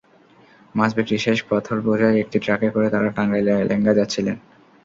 মাছ বিক্রি শেষে পাথরবোঝাই একটি ট্রাকে করে তাঁরা টাঙ্গাইলের এলেঙ্গা যাচ্ছিলেন।